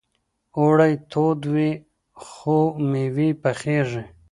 اوړی تود وي خو مېوې پخيږي.